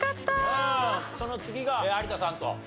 その次が有田さんと。